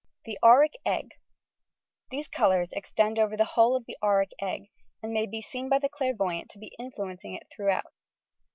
THE "auric ego" These colours extend over the whole of the auric egg, and may be seen by the clairvoyant to be influencing it throughout.